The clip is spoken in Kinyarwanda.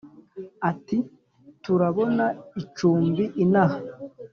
ati"turabona icumbi inaha?"